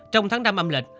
trong tháng năm âm lịch